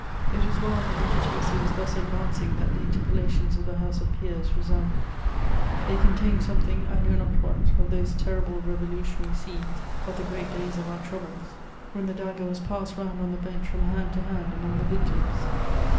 It was while the Legitimacy was thus advancing that the interpellations of the House of Peers resounded; they contained something, I know not what, of those terrible revolutionary scenes of the great days of our troubles, when the dagger was passed round on the bench from hand to hand among the victims.